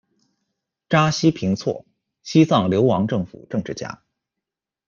扎西平措，西藏流亡政府政治家。